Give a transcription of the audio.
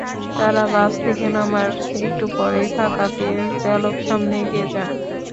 তাঁরা বাস থেকে নামার একটু পরেই ফাঁকা পেয়ে চালক সামনে এগিয়ে যান।